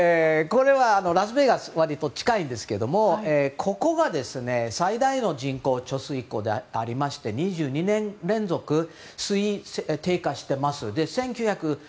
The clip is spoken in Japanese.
これはラスベガスに割と近いですがここが最大の人工貯水湖でありまして２２年連続水位低下しています。